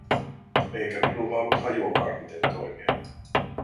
Eikä minulla ollut hajuakaan, miten toimia.